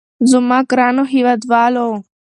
زما ګرانو هېوادوالو.